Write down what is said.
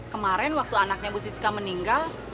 kemarin waktu anaknya bu siska meninggal